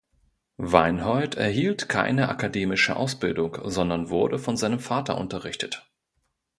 Weinhold erhielt keine akademische Ausbildung, sondern wurde von seinem Vater unterrichtet.